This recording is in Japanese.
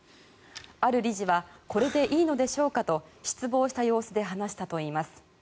ある理事はこれでいいのでしょうかと失望した様子で話したといいます。